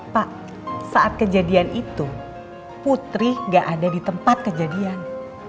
pak saat kejadian itu putri gak ada di tempat kejadian